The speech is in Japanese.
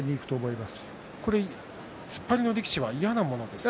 突っ張りの力士は嫌なものですか。